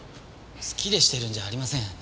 好きでしてるんじゃありません。